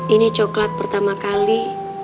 ini coklat pertama kali